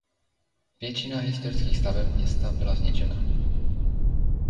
Většina historických staveb města byla zničena.